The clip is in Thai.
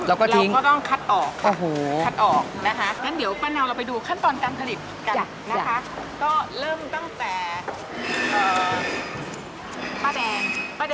เราก็ต้องคัดออกคัดออกนะคะงั้นเดี๋ยวป้าเนาเราไปดูขั้นตอนการผลิตกันนะคะ